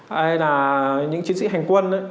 hay là những chiến sĩ hành quân